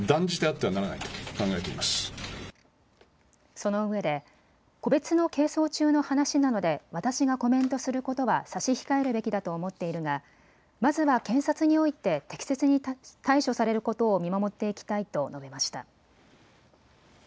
そのうえで個別の係争中の話なので私がコメントすることは差し控えるべきだと思っているがまずは検察において適切に対処されることを見守っていきたいと述べました。